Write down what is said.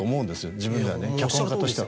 自分ではね脚本家としては。